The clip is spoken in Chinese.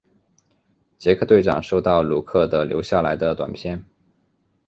杰克队长收到鲁克的留下来的短片。